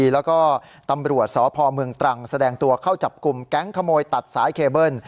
แล้วก็ตำรวจสพเมืองตรังแสดงตัวเข้าจับกลุ่มแก๊งขโมยตัดสายเคเบิ้ล